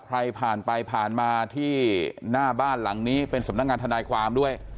ใครผ่านไปผ่านมาที่หน้าบ้านหลังนี้เป็นสำนักงานทนายความด้วย